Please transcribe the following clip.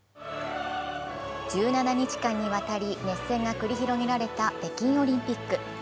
１７日間にわたり熱戦が繰り広げられた北京オリンピック。